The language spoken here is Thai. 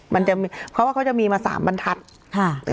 เพราะว่าเขาจะมีมา๓บรรทัศน์